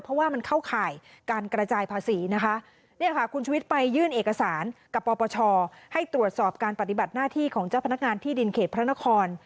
เพราะว่ามันเข้าข่ายการกระจายภาษีนะคะเนี่ยค่ะคุณชุวิตไปยื่นเอกสารกับปปชให้ตรวจสอบการปฏิบัติหน้าที่ของเจ้าพนักงานที่ดินเขตพระนคร